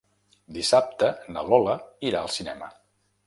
Dissabte na Lola irà al cinema.